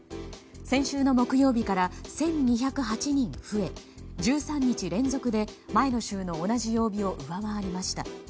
先週の木曜日から１２０８人増え１３日連続で前の週の同じ曜日を上回りました。